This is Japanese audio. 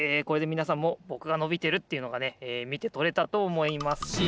これでみなさんもぼくがのびてるっていうのがねえみてとれたとおもいます。